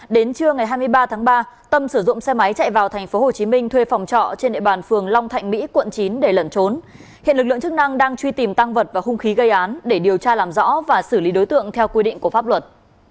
đến trưa ngày hai mươi ba tháng ba tâm sử dụng xe máy chạy vào tp hcm thuê phòng trọ trên địa bàn phường long thạnh mỹ quận chín để lẩn trốn hiện lực lượng chức năng đang truy tìm tăng vật và hung khí gây án để điều tra làm rõ và xử lý đối tượng theo quy định của pháp luật